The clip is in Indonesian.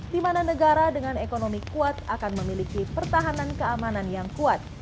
di mana negara dengan ekonomi kuat akan memiliki pertahanan keamanan yang kuat